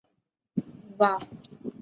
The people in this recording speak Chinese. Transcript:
孤峰山位于中国山西省万荣县东南部。